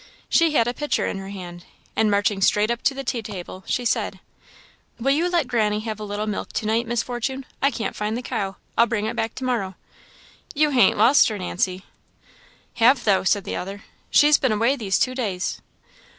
She had a pitcher in her hand, and marching straight up to the tea table, she said "Will you let granny have a little milk to night, Miss Fortune? I can't find the cow. I'll bring it back to morrow." "You han't lost her, Nancy?" "Have, though," said the other; "she's been away these two days."